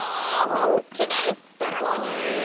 本気で言ってるのに。